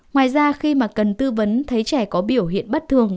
ngoài ra khi mà cần tư vấn thấy trẻ có biểu hiện bất thường